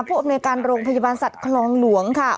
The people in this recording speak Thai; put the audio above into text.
อำนวยการโรงพยาบาลสัตว์คลองหลวงค่ะ